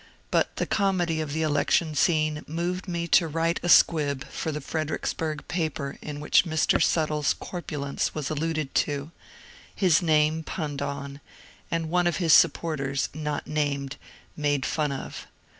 But the comedy of the election scene moved me to write a squib for the Fredericksburg paper in which Mr. Suttle's corpulence was alluded to, his name punned on, and one of his supporters, not named, made fun of.